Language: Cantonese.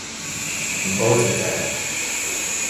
唔該借借